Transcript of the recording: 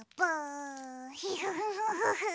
フフフフフ。